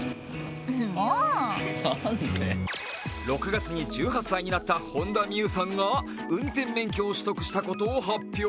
６月に１８歳になった本田望結さんが運転免許を取得したことを発表。